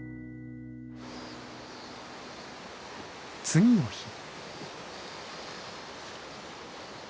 次の日。